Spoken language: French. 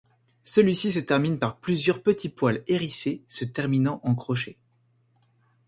Celui-ci se termine par plusieurs petits poils hérissés se terminant en crochet.